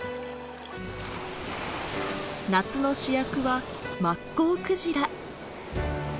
夏の主役はマッコウクジラ。